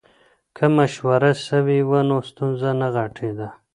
که مشوره سوې وه نو ستونزه نه غټېده.